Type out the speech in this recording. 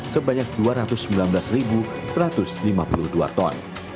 sebanyak dua ratus sembilan belas satu ratus lima puluh dua ton